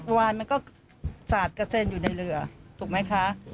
วานมันก็สาดกระเซ็นอยู่ในเรือถูกไหมคะ